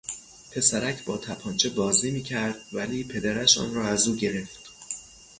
پسرک با تپانچه بازی میکرد ولی پدرش آن را از او گرفت.